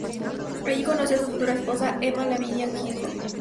Allí conoció a su futura esposa, Emma Lavinia Gifford.